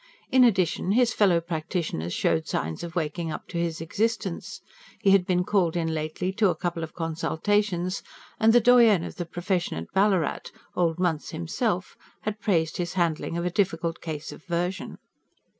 In addition his fellow practitioners showed signs of waking up to his existence. He had been called in lately to a couple of consultations; and the doyen of the profession on Ballarat, old Munce himself, had praised his handling of a difficult case of version.